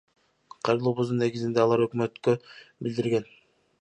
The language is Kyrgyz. Кайрылуубуздун негизинде алар Өкмөткө билдирген.